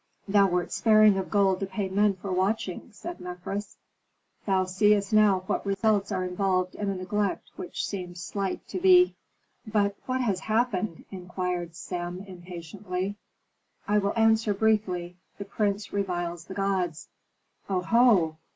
"Thou wert sparing of gold to pay men for watching," said Mefres. "Thou seest now what results are involved in a neglect which seemed slight to thee." "But what has happened?" inquired Sem, impatiently. "I will answer briefly: the prince reviles the gods." "Oho!"